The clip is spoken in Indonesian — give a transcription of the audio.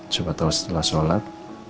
coba tau setelah sholat